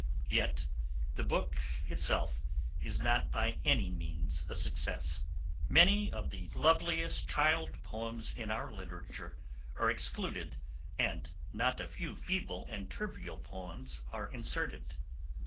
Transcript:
Yet, the book itself is not by any means a success. Many of the loveliest child poems in our literature are excluded and not a few feeble and trivial poems are inserted.